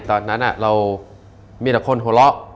ตอนนั้นเรามีแต่คนหลอก